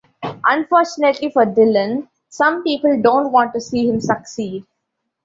Unfortunately for Dillon, some people don't want to see him succeed.